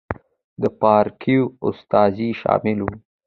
د پاړکیو استازي شامل وو.